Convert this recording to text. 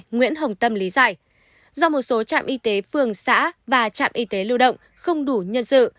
nguyễn hồng tâm lý giải do một số trạm y tế phường xã và trạm y tế lưu động không đủ nhân sự